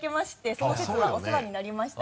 その節はお世話になりました。